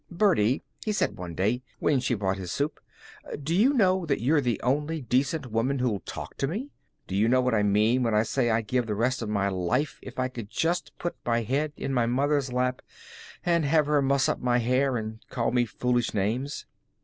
"Birdie," he said one day, when she brought his soup, "do you know that you're the only decent woman who'll talk to me? Do you know what I mean when I say that I'd give the rest of my life if I could just put my head in my mother's lap and have her muss up my hair and call me foolish names?"